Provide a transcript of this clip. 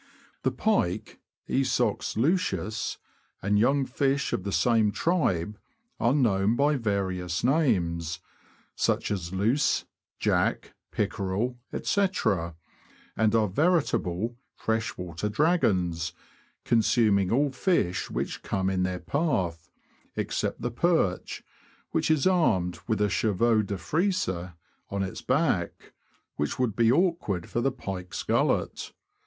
The Pike [Esox lucius), and young fish of the same tribe, are known by various names, such as luce, jack, pickerel, &c., and are veritable fresh water dragons, consuming all fish which come in their path, except the perch, which is armed with a chevaux de frise on its back, which would be awkward for the pike's gullet